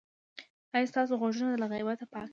ایا ستاسو غوږونه له غیبت پاک دي؟